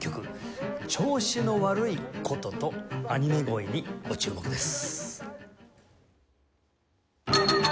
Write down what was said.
調子の悪い箏とアニメ声にご注目です。